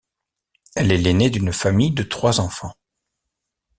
Elle est l'aînée d'une famille de trois enfants.